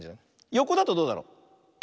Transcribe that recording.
よこだとどうだろう。